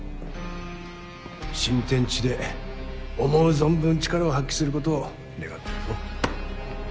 新天地で思う存分力を発揮することを願ってるぞ。